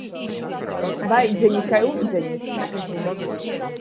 Vaidzeni kai ūdzenis.